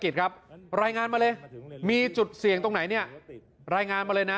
เทศกิจครับรายงานมาเลยมีจุดเสี่ยงตรงไหนรายงานมาเลยนะ